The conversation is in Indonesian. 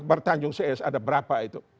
bertanjung cs ada berapa itu